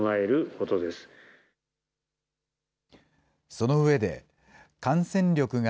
その上で、感染力が